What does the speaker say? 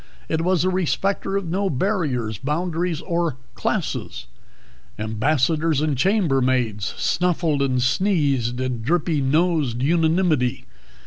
It was a respecter of no barriers, boundaries, or classes; ambassadors and chambermaids snuffled and sneezed in drippy nosed unanimity.